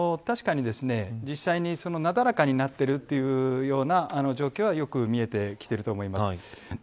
確かに実際に、なだらかになっているというような状況はよく見えてきていると思います。